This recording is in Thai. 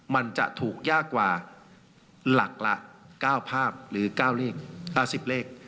มันจะถูกยากกว่าหลักละ๙ภาพหรือ๙เลข๙๐เลข